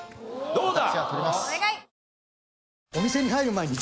どうだ？